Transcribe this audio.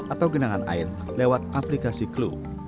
atau genangan air lewat aplikasi clue